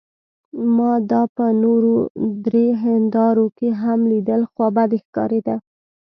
ما دا په نورو درې هندارو کې هم لیدل، خوابدې ښکارېده.